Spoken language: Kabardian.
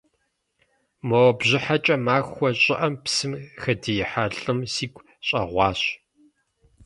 Мо бжьыхьэкӏэ махуэ щӏыӏэм псым хэдиихьа лӏым сигу щӏэгъуащ.